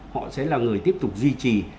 họ sẽ là người tiếp tục duy trì